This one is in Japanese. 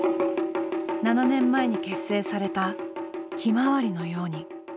７年前に結成された「ひまわりのやうに」。